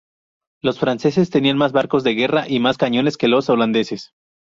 Los franceses tenían más barcos de guerra y más cañones que los holandeses.